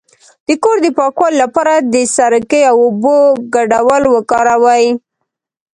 د کور د پاکوالي لپاره د سرکې او اوبو ګډول وکاروئ